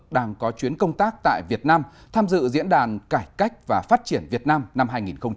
đang có chuyến công tác tại việt nam tham dự diễn đàn cải cách và phát triển việt nam năm hai nghìn một mươi chín